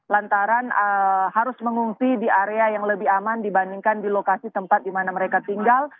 lantaran harus mengungsi di area yang lebih aman dibandingkan di lokasi tempat di mana mereka tinggal